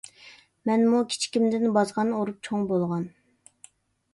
مەنمۇ كىچىكىمدىن بازغان ئۇرۇپ چوڭ بولغان.